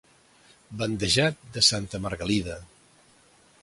Bandejat de Santa Margalida.